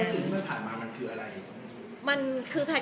สิ่งที่มันผ่านมามันคืออะไร